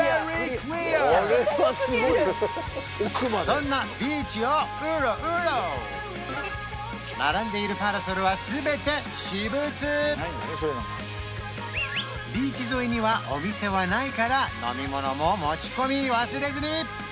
そんな並んでいるパラソルは全て私物ビーチ沿いにはお店はないから飲み物も持ち込み忘れずに！